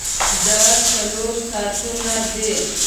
دا څلور ساعتونه دي.